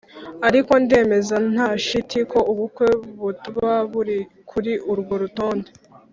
Ariko ndemeza nta shiti ko ubukwe butaba buri kuri urwo rutonde.